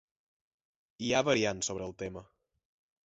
Hi ha variants sobre el tema.